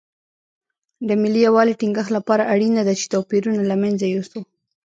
د ملي یووالي ټینګښت لپاره اړینه ده چې توپیرونه له منځه یوسو.